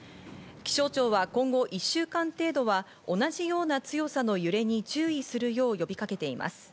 気象庁は今後１週間程度は同じような強さの揺れに注意するよう呼びかけています。